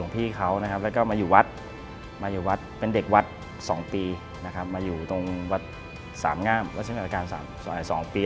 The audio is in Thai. สามง่ามวัฒนศักรรณ์สามส่วนใหญ่สองปี